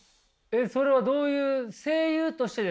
それはどういう声優としてですか？